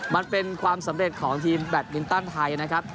มันเป็นความสำเร็จของทีมแบตมินตันไทยนะครับ